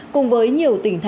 cùng với nhiều tỉnh thái